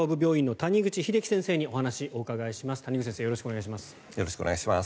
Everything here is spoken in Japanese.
谷口先生よろしくお願いします。